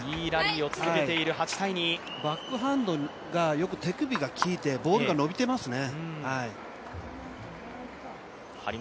バックハンドがよく手首が効いてボールが伸びていますね。